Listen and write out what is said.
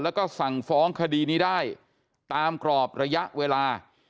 แล้วก็สั่งฟ้องคดีนี้ได้ตามกรอบระยะเวลา